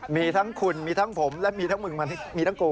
มีทั้งคุณมีทั้งผมและมีทั้งมึงมีทั้งกู